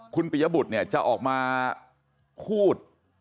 คุณปิยบุตรเนี่ยจะออกมาพูด